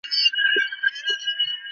কিছু কিছু থাকে।